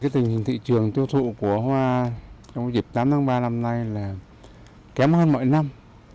tình hình thị trường tiêu thụ của hoa trong dịp tám tháng ba năm nay là kém hơn mọi năm